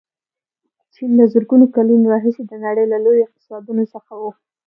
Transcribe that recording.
چین له زرګونو کلونو راهیسې د نړۍ له لویو اقتصادونو څخه و.